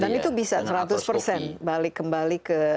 dan itu bisa seratus kembali ke seperti dulu